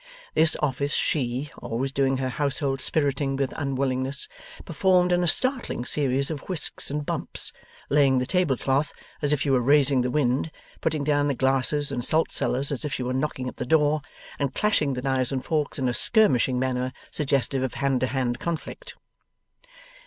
This office she (always doing her household spiriting with unwillingness) performed in a startling series of whisks and bumps; laying the table cloth as if she were raising the wind, putting down the glasses and salt cellars as if she were knocking at the door, and clashing the knives and forks in a skirmishing manner suggestive of hand to hand conflict.